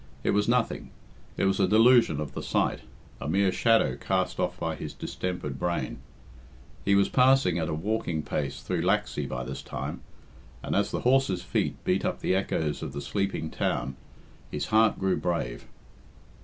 It was nothing; it was a delusion of the sight; a mere shadow cast off by his distempered brain. He was passing at a walking pace through Laxey by this time, and as the horse's feet beat up the echoes of the sleeping town, his heart grew brave.